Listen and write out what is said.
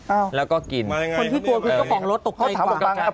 อ้าวแล้วก็กินมายังไงคนที่กลัวคือเขาของรถตกใกล้ความฟังฟัง